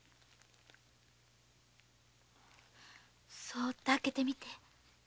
そうっと開けてみて。